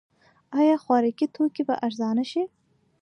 آیا خوراکي توکي به ارزانه شي؟